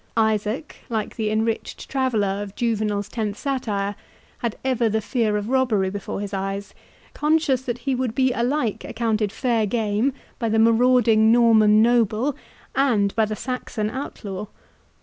Isaac, like the enriched traveller of Juvenal's tenth satire, had ever the fear of robbery before his eyes, conscious that he would be alike accounted fair game by the marauding Norman noble, and by the Saxon outlaw.